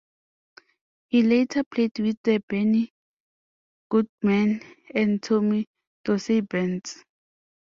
He later played with the Benny Goodman and Tommy Dorsey bands.